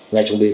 ngay trong đêm